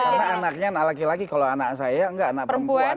karena anaknya laki laki kalau anak saya gak anak perempuan